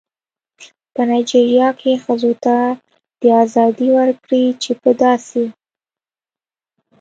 په نایجیریا کې ښځو ته دا ازادي ورکړې چې په داسې